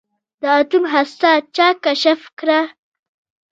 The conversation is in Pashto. د اتوم هسته چا کشف کړه.